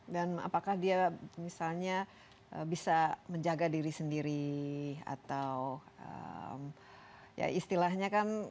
dan apakah dia misalnya bisa menjaga diri sendiri atau ya istilahnya kan